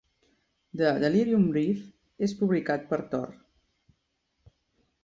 "The Delirium Brief" és publicat per Tor.